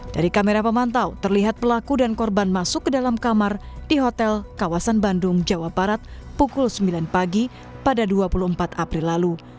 dari kamera pemantau terlihat pelaku dan korban masuk ke dalam kamar di hotel kawasan bandung jawa barat pukul sembilan pagi pada dua puluh empat april lalu